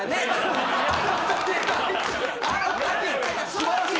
素晴らしい！